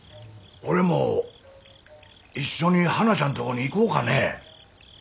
俺も一緒にはなちゃんとこに行こうかね。